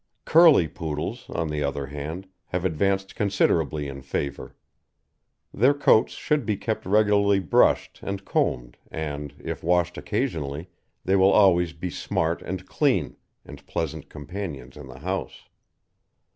Curly Poodles, on the other hand, have advanced considerably in favour. Their coats should be kept regularly brushed and combed and, if washed occasionally, they will always be smart and clean, and pleasant companions in the house.